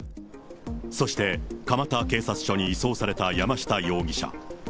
そして、蒲田警察署に移送された山下容疑者。